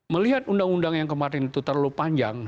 melihat undang undang yang kemarin itu terlalu panjang